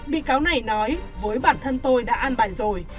bị cáo này nói với bản thân tôi đã an bài rồi